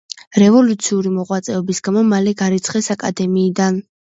რევოლუციური მოღვაწეობის გამო მალე გარიცხეს აკადემიიდან.